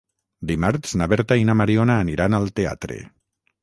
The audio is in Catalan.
Dimarts na Berta i na Mariona aniran al teatre.